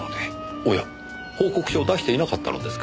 おや報告書を出していなかったのですか？